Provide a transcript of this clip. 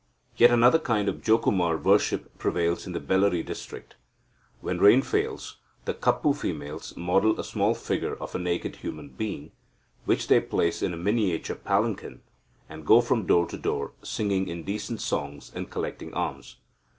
Yet another kind of Jokumara worship prevails in the Bellary district. When rain fails, the Kapu females model a small figure of a naked human being, which they place in a miniature palanquin, and go from door to door, singing indecent songs, and collecting alms.